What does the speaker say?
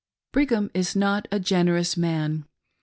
Brigham is not a generous man.